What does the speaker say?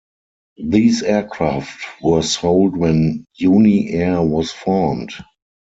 These aircraft were sold when Uni Air was formed.